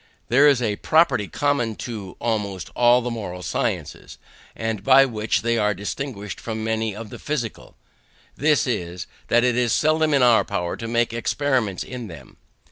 There is a property common to almost all the moral sciences, and by which they are distinguished from many of the physical; this is, that it is seldom in our power to make experiments in them.